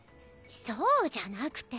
そうじゃなくて。